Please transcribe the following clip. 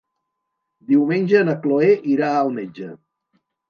Diumenge na Chloé irà al metge.